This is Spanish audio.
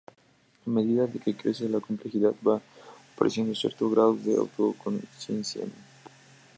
A medida que crece la complejidad va apareciendo cierto grado de autoconciencia.